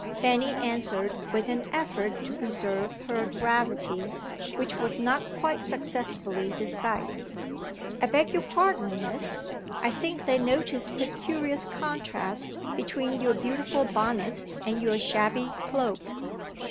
Fanny answered with an effort to preserve her gravity, which was not quite successfully disguised: "I beg your pardon, Miss; I think they notice the curious contrast between your beautiful bonnet and your shabby cloak."